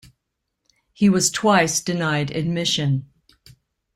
He was twice denied admission.